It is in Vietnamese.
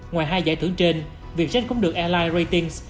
ngoài hai giải thưởng trên vietjet cũng được airlines ratings